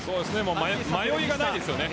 迷いがないですよね。